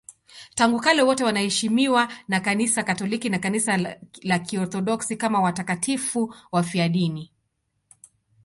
Tangu kale wote wanaheshimiwa na Kanisa Katoliki na Kanisa la Kiorthodoksi kama watakatifu wafiadini.